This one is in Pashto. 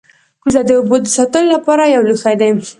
کوزه د اوبو د ساتلو لپاره یو لوښی دی